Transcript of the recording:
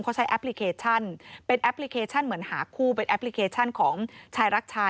เขาใช้แอปพลิเคชันเป็นแอปพลิเคชันเหมือนหาคู่เป็นแอปพลิเคชันของชายรักชาย